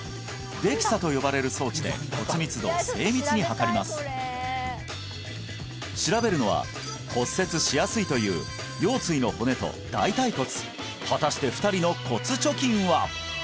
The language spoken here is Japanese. ＤＸＡと呼ばれる装置で骨密度を精密に測ります調べるのは骨折しやすいという腰椎の骨と大腿骨果たして２人の骨貯金は？